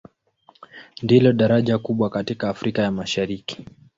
Ndilo daraja kubwa katika Afrika ya Mashariki.